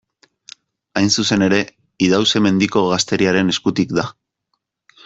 Hain zuzen ere, Idauze-Mendiko gazteriaren eskutik da.